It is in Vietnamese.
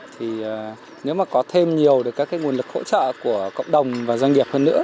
thì nếu mà có thêm nhiều được các nguồn lực hỗ trợ của cộng đồng và doanh nghiệp hơn nữa